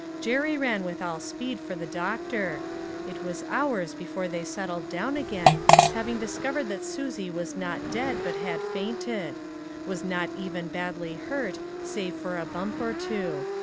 Jerry ran with all speed for the doctor. It was hours before they settled down again, having discov ered that Susie was not dead, but had fainted ; was not even badly hurt, save for a bump or two.